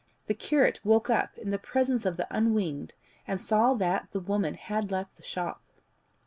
The curate woke up in the presence of the unwinged, and saw that the woman had left the shop.